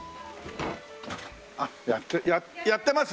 あっやってます？